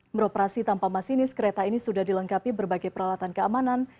beroperasi tanpa masinis kereta ini sudah dilengkapi berbagai peralatan keamanan